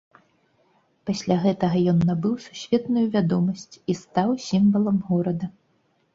Пасля гэтага ён набыў сусветную вядомасць і стаў сімвалам горада.